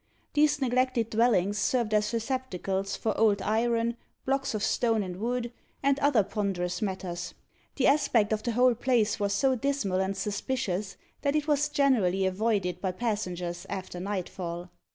These neglected dwellings served as receptacles for old iron, blocks of stone and wood, and other ponderous matters. The aspect of the whole place was so dismal and suspicious, that it was generally avoided by passengers after nightfall.